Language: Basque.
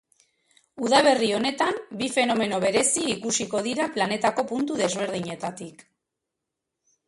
Udaberri honetan bi fenomeno berezi ikusiko dira planetako puntu desberdinetatik.